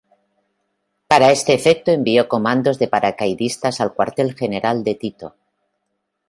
Para este efecto envió comandos de paracaidistas al cuartel general de Tito.